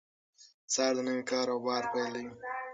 سهار د نوي کار او بار پیل دی.